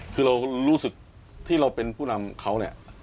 คือเรารู้สึกที่เราเป็นผู้นำเขาเนี่ย